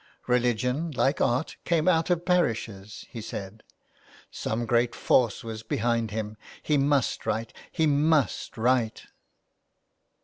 '' Religion, like art, came out of parishes," he said. Some great force was behind him. He must write ! He must write.